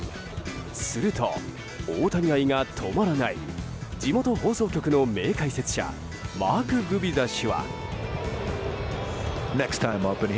すると、大谷愛が止まらない地元放送局の名解説者マーク・グビザ氏は。